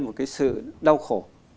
một cái sự đau khổ